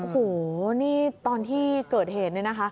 โอ้โหนี่ตอนที่เกิดเหตุเนี่ยนะคะ